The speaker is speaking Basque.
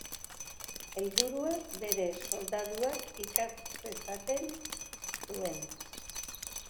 Helburua bere soldaduak ikas zezaten zuen.